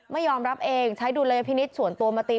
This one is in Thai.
ไม่ยอมรับเองใช้ดุลยพินิษฐ์ส่วนตัวมาตี